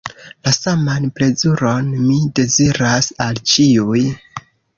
La saman plezuron mi deziras al ĉiuj.